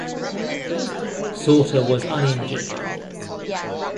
Sauter was uninjured, though.